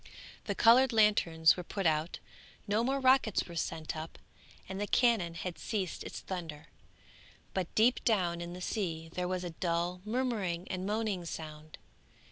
The coloured lanterns were put out, no more rockets were sent up, and the cannon had ceased its thunder, but deep down in the sea there was a dull murmuring and moaning sound.